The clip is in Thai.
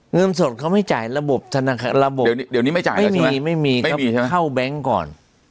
เงินสดเขาไม่จ่ายระบบระบบเข้าแบงก์ก่อน